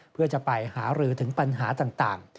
เพื่อจะไปหารือถึงปัญหาต่าง